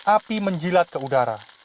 api menjilat ke udara